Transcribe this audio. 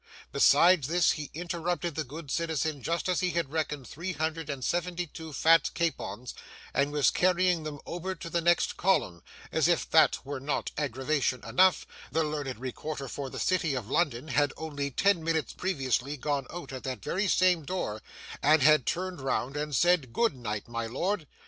Besides this, he interrupted the good citizen just as he had reckoned three hundred and seventy two fat capons, and was carrying them over to the next column; and as if that were not aggravation enough, the learned recorder for the city of London had only ten minutes previously gone out at that very same door, and had turned round and said, 'Good night, my lord.